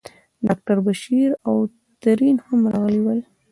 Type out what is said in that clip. ډاکټر بشیر او ترین هم راغلي ول.